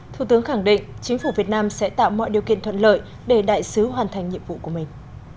thủ tướng khẳng định chính phủ việt nam sẽ tạo mọi điều kiện thuận lợi để đại sứ hoàn thành nhiệm vụ của mình